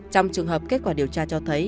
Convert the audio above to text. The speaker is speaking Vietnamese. trong trường hợp kết quả điều tra cho thấy